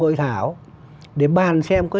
hội thảo để bàn xem có